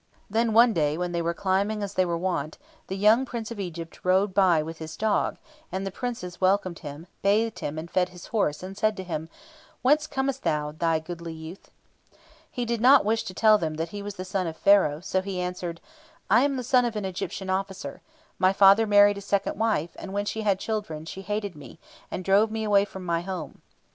Then, one day when they were climbing as they were wont, the young Prince of Egypt rode by with his dog; and the Princes welcomed him, bathed him, and fed his horse, and said to him, "Whence comest thou, thou goodly youth?" He did not wish to tell them that he was the son of Pharaoh, so he answered, "I am the son of an Egyptian officer. My father married a second wife, and, when she had children, she hated me, and drove me away from my home."